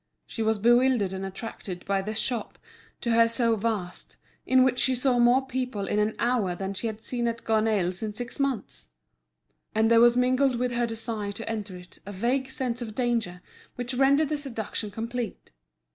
She was bewildered and attracted by this shop, to her so vast, in which she saw more people in an hour than she had seen at Gornaille's in six months; and there was mingled with her desire to enter it a vague sense of danger which rendered the seduction complete.